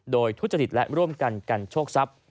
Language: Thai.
โดยทุจริตและร่วมกันกันโชคทรัพย์